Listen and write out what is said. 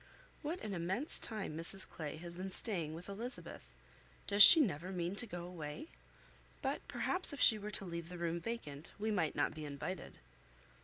What an immense time Mrs Clay has been staying with Elizabeth! Does she never mean to go away? But perhaps if she were to leave the room vacant, we might not be invited.